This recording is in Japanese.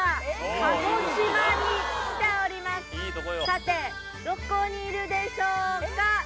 さてどこにいるでしょうか？